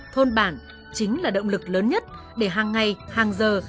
thôn bản chính là động lực lớn nhất để hàng ngày hàng giờ